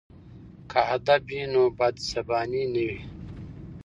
که ادب وي نو بدزباني نه وي.